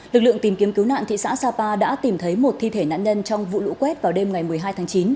lực lượng tìm kiếm cứu nạn thị xã sapa đã tìm thấy một thi thể nạn nhân trong vụ lũ quét vào đêm ngày một mươi hai tháng chín